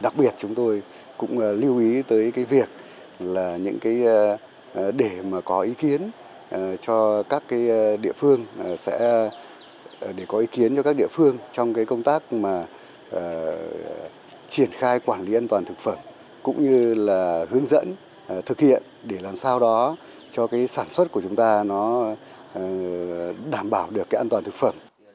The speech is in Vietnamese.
đặc biệt chúng tôi cũng lưu ý tới việc để có ý kiến cho các địa phương trong công tác triển khai quản lý an toàn thực phẩm cũng như là hướng dẫn thực hiện để làm sao đó cho sản xuất của chúng ta đảm bảo được an toàn thực phẩm